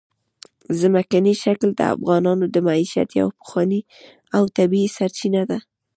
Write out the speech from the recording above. ځمکنی شکل د افغانانو د معیشت یوه پخوانۍ او طبیعي سرچینه ده.